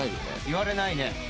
言われないね。